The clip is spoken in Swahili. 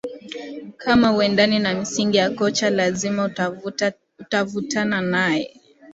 kama huendani na misingi ya kocha lazima utavutana naye